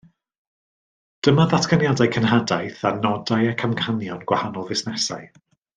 Dyma ddatganiadau cenhadaeth a nodau ac amcanion gwahanol fusnesau